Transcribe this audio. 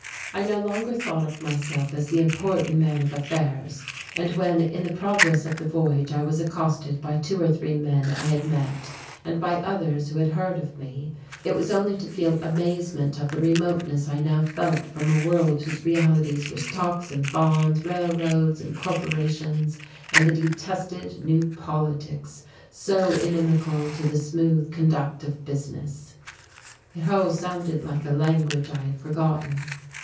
I no longer thought of myself as the important man of affairs; and when in the progress of the voyage I was accosted by two or three men I had met and by others who had heard of me it was only to feel amazement at the remoteness I now felt from a world whose realities were stocks and bonds, railroads and corporations and the detested new politics so inimical to the smooth conduct of "business." It all sounded like a language I had forgotten.